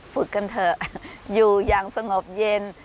ฝึกกันเถอะอยู่อย่างสงบเย็น